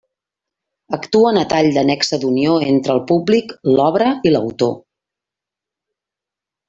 Actuen a tall de nexe d'unió entre el públic, l'obra i l'autor.